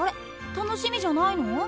楽しみじゃないの？